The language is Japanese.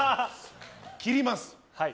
切ります。